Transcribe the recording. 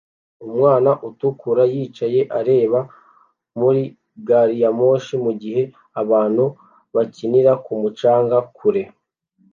Umwana utukura yicaye areba muri gari ya moshi mugihe abantu bakinira ku mucanga kure